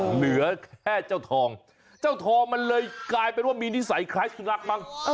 เหลือแค่เจ้าทองเจ้าทองมันเลยกลายเป็นว่ามีนิสัยคล้ายสุนัขมั้ง